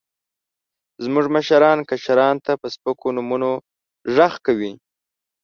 زموږ مشران، کشرانو ته په سپکو نومونو غږ کوي.